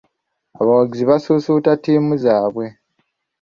Abawagizi basuusuuta ttiimu zaabwe.